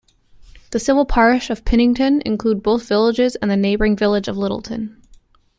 The civil parish of Pittington includes both villages and the neighbouring village of Littletown.